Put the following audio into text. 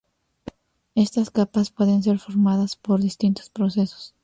Estas capas pueden ser formadas por distintos procesos.